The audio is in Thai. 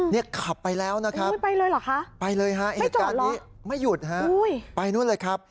เนี่ยขับไปแล้วนะครับไปเลยฮะไม่จอดหรอไม่หยุดฮะไปนู่นเลยครับ